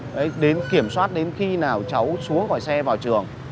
đấy đến kiểm soát đến khi nào cháu xuống khỏi xe vào trường